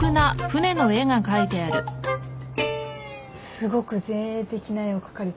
すごく前衛的な絵を描かれちゃって。